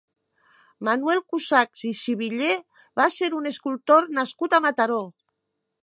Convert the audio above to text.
Manuel Cusachs i Xivillé va ser un escultor nascut a Mataró.